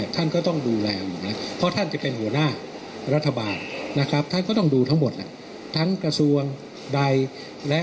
ท่านก็ต้องดูแลอยู่พอท่านจะเป็นหัวหน้ารัฐบาล